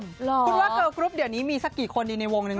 คุณว่าเกอร์กรุ๊ปเดี๋ยวนี้มีสักกี่คนดีในวงหนึ่ง